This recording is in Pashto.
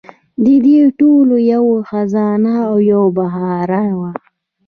د دې ټولو یو خزان او یو بهار و.